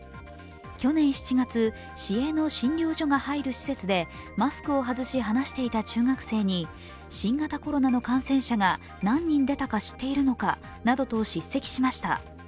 去年７月、市営の診療所が入る施設でマスクを外し話していた中学生に新型コロナの感染者が何人出たか知っているのかなどと叱責しました。